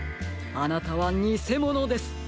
あなたはにせものです！